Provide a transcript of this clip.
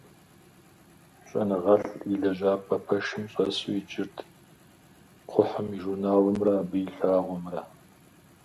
ЩӀэныгъэлӀ и лэжьапӀэ пэшым щӀэсу иджырт кхъухьым и журналымрэ абы и лъагъуэмрэ.